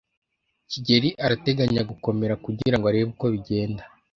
kigeli arateganya gukomera kugirango arebe uko bigenda.